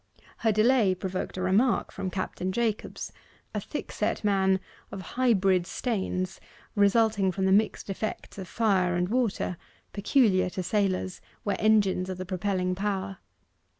Her delay provoked a remark from Captain Jacobs, a thickset man of hybrid stains, resulting from the mixed effects of fire and water, peculiar to sailors where engines are the propelling power.